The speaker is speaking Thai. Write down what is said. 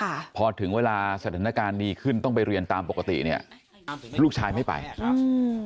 ค่ะพอถึงเวลาสถานการณ์ดีขึ้นต้องไปเรียนตามปกติเนี้ยลูกชายไม่ไปครับอืม